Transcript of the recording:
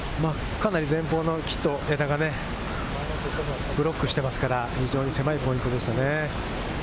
かなり前方の木と枝がね、ブロックしてますから、非常に狭いポイントでしたね。